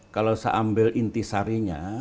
kalau saya ambil inti sarinya